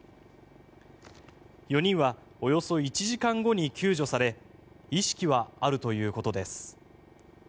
４人はおよそ１時間後に救助され意識はあるということです。